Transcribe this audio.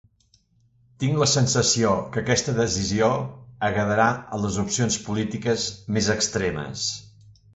Tinc la sensació que aquesta decisió agradarà a les opcions polítiques més extremes.